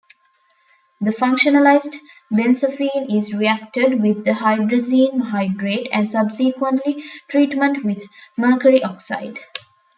The functionalised benzophenone is reacted with hydrazine hydrate and subsequently treatment with mercury oxide.